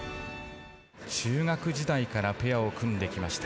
中学時代からペアを組んできました。